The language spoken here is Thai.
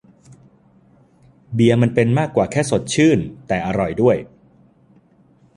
เบียร์มันเป็นมากกว่าแค่สดชื่นแต่อร่อยด้วย